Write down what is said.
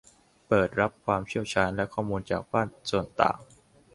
เปิดรับความเชี่ยวชาญและข้อมูลจากภาคส่วนต่าง